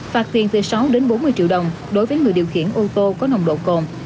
phạt tiền từ sáu bốn mươi triệu đồng đối với người điều khiển ô tô có nồng độ cồn